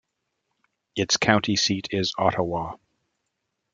Its county seat is Ottawa.